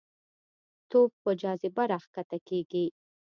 توپ په جاذبه راښکته کېږي.